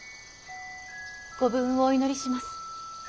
ご武運をお祈りします。